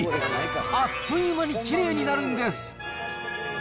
あっという間にきれいになるんです。